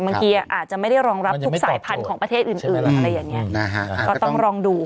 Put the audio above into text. บางทีอาจจะไม่ได้รองรับทุกสายพันธุ์ของประเทศอื่นอะไรอย่างนี้ก็ต้องลองดู